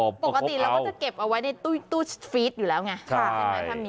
ปกติเราจะเก็บให้ที่ตู้ฟีสอยู่แล้วไง